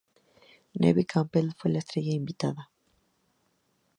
Neve Campbell fue la estrella invitada.